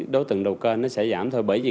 đối tượng đầu cơ nó sẽ giảm thôi bởi vì